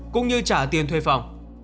cũng như trả tiền thuê phòng